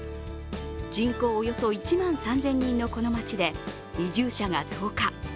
人口およそ１万３０００人のこの町で移住者が増加。